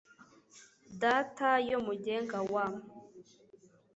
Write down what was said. data, yo mugenga wa